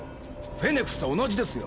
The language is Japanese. フェネクスと同じですよ。